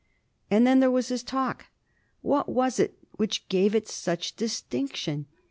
And then there was his talk. What was it which gave it such distinction?